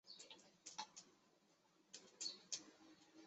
巴巴多斯岛主要由石灰石构成。